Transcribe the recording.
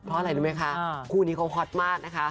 เพราะอะไรรู้ไหมคะคู่นี้เขาฮอตมากนะคะ